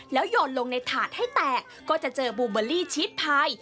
แล้วโยนลงในถาดให้แตกก็จะเจอบูเบอร์ลี่ชิดพาย